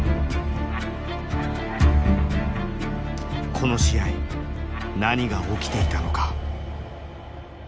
この試合何が起きていたのか。